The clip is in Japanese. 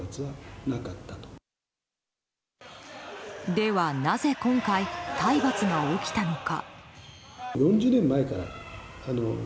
では、なぜ今回体罰が起きたのか。